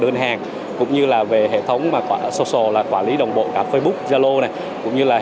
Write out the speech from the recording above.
đơn hàng cũng như là về hệ thống mà social là quản lý đồng bộ cả facebook zalo này cũng như là